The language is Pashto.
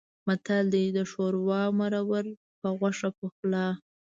متل دی: د شوروا مرور په غوښه پخلا.